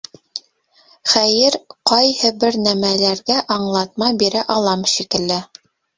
—Хәйер, ҡайһы бер нәмәләргә аңлатма бирә алам шикелле